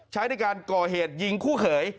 ใช้ในการก่อเหตุยิงคู่เขย